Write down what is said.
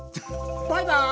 バイバイ！